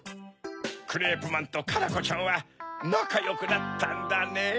クレープマンとカラコちゃんはなかよくなったんだねぇ。